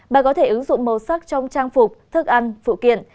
bà có thể ứng dụng màu sắc trong trang phục thức ăn phụ kiện